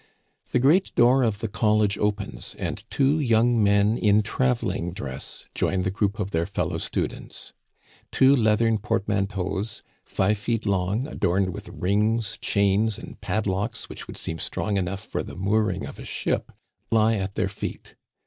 The great door of the college opens, and two young men in traveling dress join the group of their fellow students. Two leathern portmanteaus, five feet long, adorned with rings, chains, and padlocks which would seem strong enough for the mooring of a ship, lie at their feet.